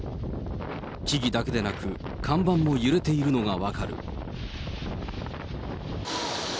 木々だけでなく、看板も揺れているのが分かる。